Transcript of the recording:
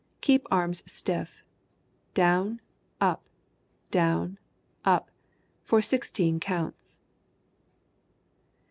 Keep arms stiff. Down, up, down, up, for sixteen counts.